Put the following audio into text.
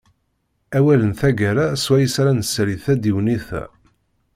Awal n taggara swayes ara nessali tadiwennit-a.